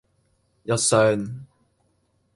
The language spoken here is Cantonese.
一雙